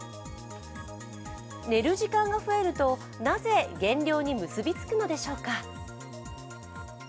寝る時間が増えるとなぜ減量に結びつくのでしょうか。